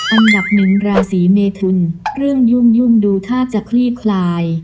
อันดับหนึ่งราศีเมทุนเรื่องยุ่งดูท่าจะคลี่คลาย